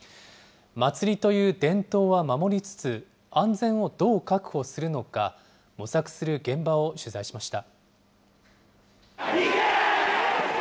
祭りという伝統は守りつつ、安全をどう確保するのか、模索する現場を取材しました。